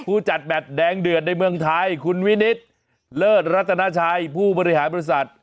ผู้จัดแบตแดงเดือดในเมืองไทยคุณวินิตเลิศรัตนาชัยผู้บริหารบริษัท